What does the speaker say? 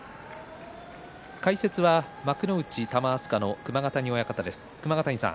解説は幕内玉飛鳥の熊ヶ谷親方です。